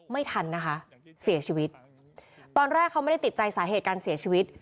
ไม่ทันนะคะเสียชีวิตตอนแรกเขาไม่ได้ติดใจสาเหตุการเสียชีวิต